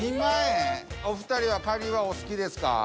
お二人はカニはお好きですか？